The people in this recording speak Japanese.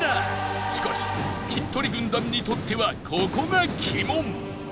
しかしキントリ軍団にとってはここが鬼門